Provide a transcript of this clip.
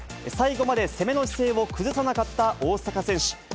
最後まで攻めの姿勢を崩さなかった大坂選手。